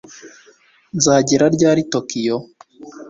Nzagera ryari Tokiyo